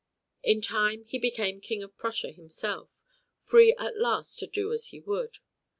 In time he became King of Prussia himself, free at last to do as he would.